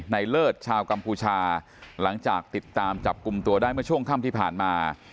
เลิศชาวกัมพูชาหลังจากติดตามจับกลุ่มตัวได้เมื่อช่วงค่ำที่ผ่านมา